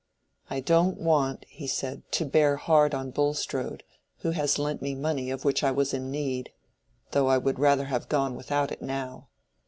"I don't want," he said, "to bear hard on Bulstrode, who has lent me money of which I was in need—though I would rather have gone without it now.